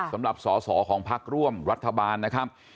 สำหรับสอสอของพักร่วมรัฐบาลนะครับ